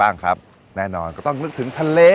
สวัสดีครับสวัสดีครับสวัสดีครับสวัสดีครับ